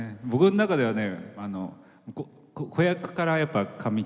僕の中ではね。